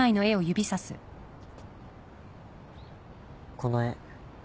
この絵。